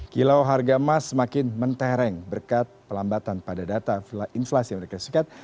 kilau harga emas semakin mentereng berkat pelambatan pada data inflasi amerika serikat